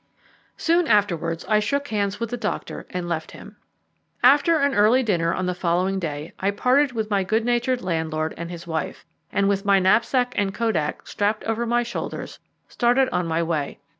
Soon afterwards I shook hands with the doctor and left him. After an early dinner on the following day, I parted with my good natured landlord and his wife, and with my knapsack and kodak strapped over my shoulders, started on my way.